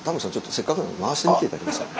せっかくなので回してみて頂けますか。